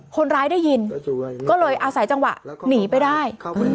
ได้ยินก็เลยอาศัยจังหวะหนีไปได้